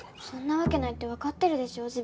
そんなわけないってわかってるでしょ